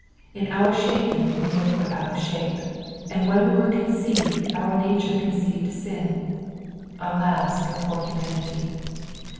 In our shaping we were put out of shnpe, and when we were conceived our nature conceived sin, Alas, for poor humanity